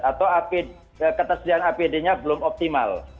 atau ketersediaan apd nya belum optimal